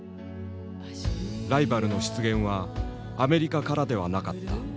「ライバルの出現はアメリカからではなかった。